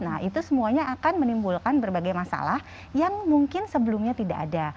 nah itu semuanya akan menimbulkan berbagai masalah yang mungkin sebelumnya tidak ada